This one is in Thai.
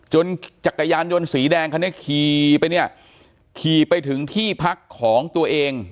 จักรยานยนต์สีแดงคันนี้ขี่ไปเนี่ยขี่ไปถึงที่พักของตัวเอง